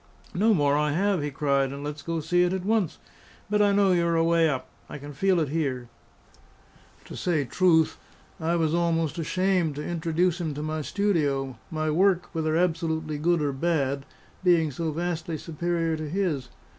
"No more I have," he cried; "and let's go see it at once! But I know you are away up. I can feel it here." To say truth, I was almost ashamed to introduce him to my studio my work, whether absolutely good or bad, being so vastly superior to his.